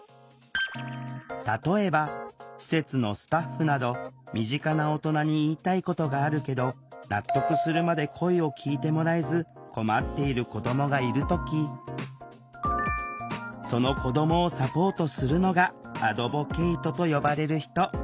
例えば施設のスタッフなど身近な大人に言いたいことがあるけど納得するまで声を聴いてもらえず困っている子どもがいる時その子どもをサポートするのがアドボケイトと呼ばれる人。